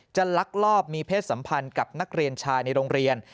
ลักลอบมีเพศสัมพันธ์กับนักเรียนชายในโรงเรียน